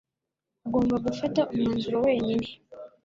Ugomba gufata umwanzuro wenyine.